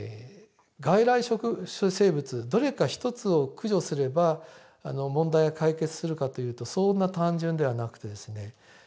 外来生物どれか一つを駆除すれば問題は解決するかというとそんな単純ではなくてですね